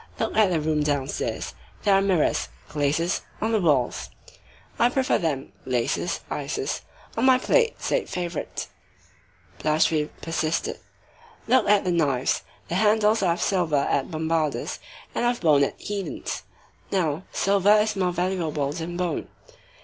Look at the room downstairs; there are mirrors [glaces] on the walls." "I prefer them [glaces, ices] on my plate," said Favourite. Blachevelle persisted:— "Look at the knives. The handles are of silver at Bombarda's and of bone at Édon's. Now, silver is more valuable than bone."